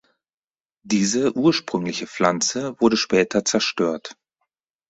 Diese ursprüngliche Pflanze wurde später zerstört.